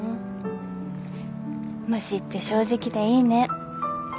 虫って正直でいいね。